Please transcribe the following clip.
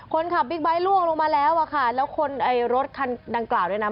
คนขับบิ๊กไบท์ล่วงลงมาแล้วค่ะแล้วรถคันดังกล่าวด้วยนะ